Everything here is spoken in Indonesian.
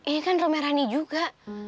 ini kan rame rani juga